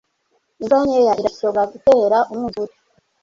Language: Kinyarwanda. Imvura nkeya irashobora gutera umwuzure.